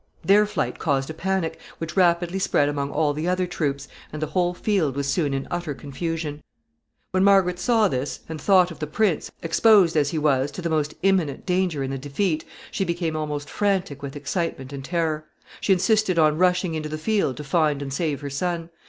Their flight caused a panic, which rapidly spread among all the other troops, and the whole field was soon in utter confusion. [Sidenote: Margaret's terror.] [Sidenote: She swoons.] When Margaret saw this, and thought of the prince, exposed, as he was, to the most imminent danger in the defeat, she became almost frantic with excitement and terror. She insisted on rushing into the field to find and save her son.